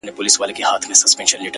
د کلي سپی یې- د کلي خان دی-